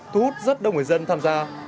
thu hút rất đông người dân tham gia